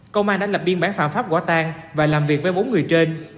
công an đã lập biên bản phạm pháp quả tan và làm việc với bốn người trên